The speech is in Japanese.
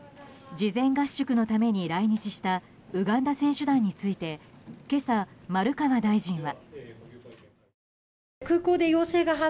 事前合宿のために来日したウガンダ選手団について今朝、丸川大臣は。